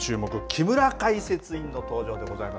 木村解説委員の登場でございます。